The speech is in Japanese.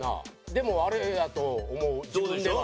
でもあれやと思う自分では。